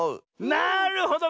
なるほど。